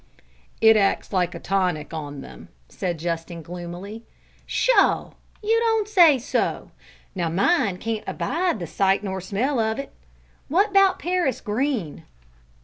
"It acts like a tonic on them," said Justin gloomily. "Sho! you don't say so! Now mine can't abide the sight nor smell of it. What 'bout Paris green?"